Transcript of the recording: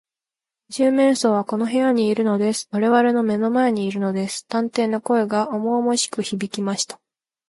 「二十面相はこの部屋にいるのです。われわれの目の前にいるのです」探偵の声がおもおもしくひびきました。